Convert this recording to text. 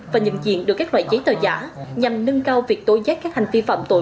và nhận diện được các loại giấy tờ giả nhằm nâng cao việc tối giác các hành vi phạm tội